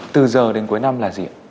từ giờ đến cuối năm là gì